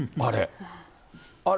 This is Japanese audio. あれ。